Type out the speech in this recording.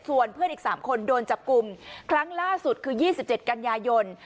ส่วนเพื่อนอีก๓คนโดนจับกลุ่มครั้งล่าสุดคือ๒๗กันยายน